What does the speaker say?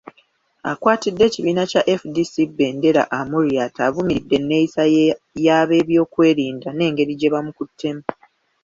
Akwatidde ekibiina kya FDC bbendera, Amuriat, avumiridde enneeyisa y'abeebyokwerinda n'engeri gye bamukuttemu.